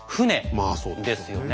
まあそうですよね。